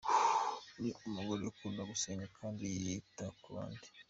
Ni umugore ukunda gusenga kandi yita ku bandi’’.